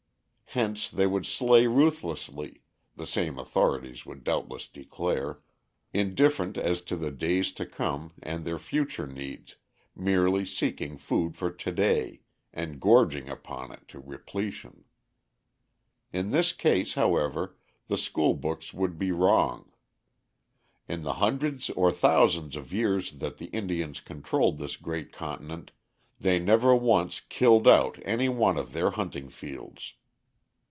Hence they would slay ruthlessly (the same authorities would doubtless declare), indifferent as to the days to come and their future needs, merely seeking food for to day, and gorging upon it to repletion. In this case, however, the school books would be wrong. In the hundreds or thousands of years that the Indians controlled this great continent they never once "killed out" any one of their hunting fields.